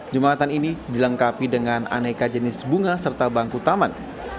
jembatan ini dilengkapi dengan aneka jenis bunga serta bangku taman